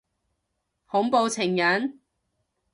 恐怖情人？